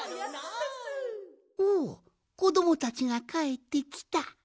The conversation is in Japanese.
おおこどもたちがかえってきた。